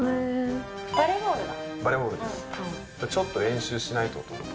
バレーボールだ。